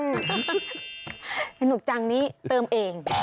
สนุกจังนี้เติมเอง